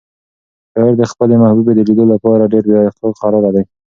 شاعر د خپلې محبوبې د لیدو لپاره ډېر بې قراره دی.